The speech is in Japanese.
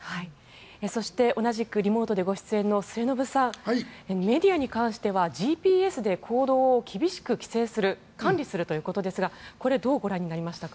そして、同じくリモートでご出演の末延さんメディアに関してはＧＰＳで行動を厳しく規制する管理するということですがこれをどうご覧になりましたか。